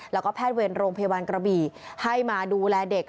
แล้วก็แพทย์เวรโรงพยาบาลกระบี่ให้มาดูแลเด็ก